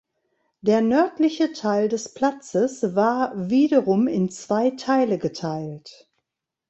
Der nördliche Teil des Platzes war wiederum in zwei Teile geteilt.